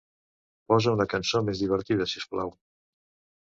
Posa una cançó més divertida, si us plau.